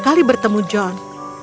kali bertemu john